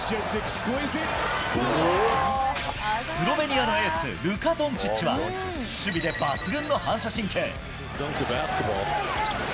スロベニアのエース、ルカ・ドンチッチは、守備で抜群の反射神経。